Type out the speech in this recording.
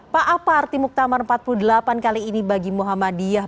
pak apa arti muktamar empat puluh delapan kali ini bagi muhammadiyah